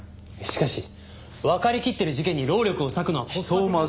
しかしわかりきってる事件に労力を割くのはコスパ的に。